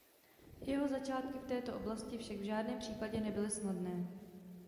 Jeho začátky v této oblasti však v žádném případě nebyly snadné.